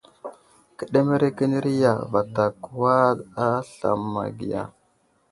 Kəɗeremekeneri ya, vatak kəwa aslam ma ge ya ?